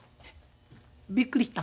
びっくりした？